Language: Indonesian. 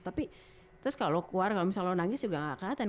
tapi terus kalau lo keluar kalau misalnya lo nangis juga gak keliatan